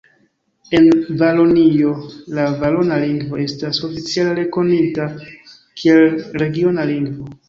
En Valonio la valona lingvo estas oficiala rekonita kiel regiona lingvo.